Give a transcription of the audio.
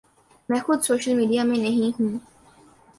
میں خود social media میں نہیں ہوں۔